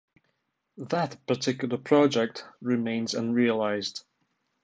That particular project remains unrealized.